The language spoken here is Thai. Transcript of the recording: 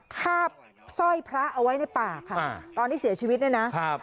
คาบสร้อยพระเอาไว้ในป่าค่ะตอนที่เสียชีวิตเนี่ยนะครับ